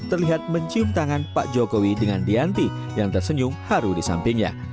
terlihat mencium tangan pak jokowi dengan dianti yang tersenyum haru di sampingnya